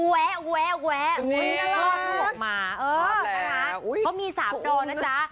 แวะแวะแวะลอนออกมาเขามีสามโดนะจ๊ะ